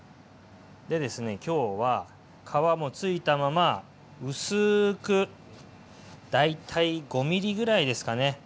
今日は皮もついたまま薄く大体５ｍｍぐらいですかね。